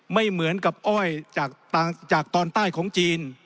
ไม่เหมือนกับอ้อยจากตอนใต้ของจีน